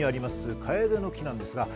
カエデの木なんです。